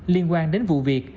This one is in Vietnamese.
liên quan đến vụ việc